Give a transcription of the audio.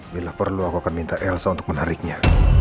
bila perlu aku akan minta elsa untuk menariknya